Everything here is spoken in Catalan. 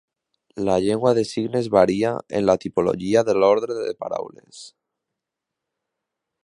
La llengua de signes varia en la tipologia de l'ordre de paraules.